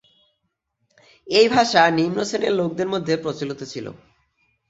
এ ভাষা নিম্নশ্রেণীর লোকদের মধ্যে প্রচলিত ছিল।